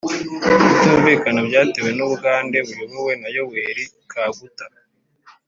kutumvikana byatewe n u bugande buyobowe na yoweri kaguta